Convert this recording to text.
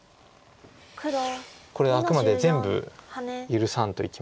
これあくまで全部許さんといきました。